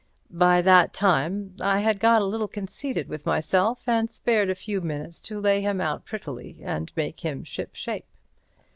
By that time I had got a little conceited with myself, and spared a few minutes to lay him out prettily and make him shipshape.